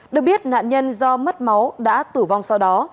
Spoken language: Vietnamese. được biết nạn nhân do mất máu đã tử vong sau đó